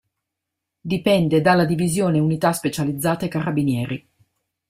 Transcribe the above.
Dipende dalla Divisione unità specializzate carabinieri.